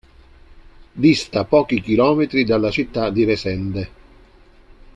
Dista pochi chilometri dalla città di Resende.